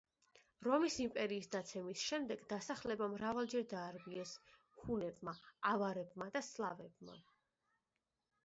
რომის იმპერიის დაცემის შემდეგ დასახლება მრავალჯერ დაარბიეს ჰუნებმა, ავარებმა და სლავებმა.